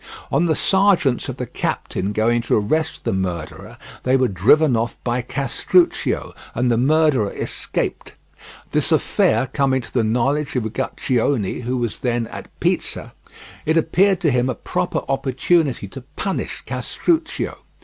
On the sergeants of the captain going to arrest the murderer, they were driven off by Castruccio, and the murderer escaped. This affair coming to the knowledge of Uguccione, who was then at Pisa, it appeared to him a proper opportunity to punish Castruccio.